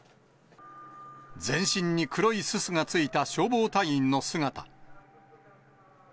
全身に黒いすすがついた消防隊員の姿。